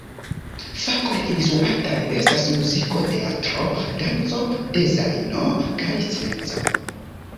Fakoj instruataj estas muziko, teatro, danco, dezajno kaj scienco.